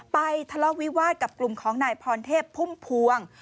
ทะเลาะวิวาสกับกลุ่มของนายพรเทพพุ่มพวง